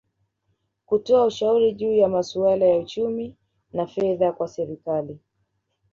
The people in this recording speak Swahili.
Kutoa ushauri juu ya masuala ya uchumi na fedha kwa Serikali